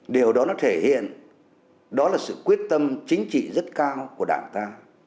điều đó nó thể hiện đó là sự quyết tâm chính trị rất cao của đảng ta